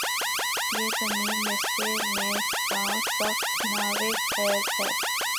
یہ زمیں مثلِ نیستاں‘ سخت ناوک خیز ہے